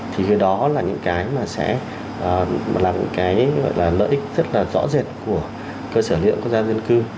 thì cái đó là những cái mà sẽ làm những cái lợi ích rất là rõ rệt của cơ sở liện quốc gia dân cư